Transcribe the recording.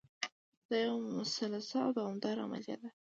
دا یوه مسلسله او دوامداره عملیه ده.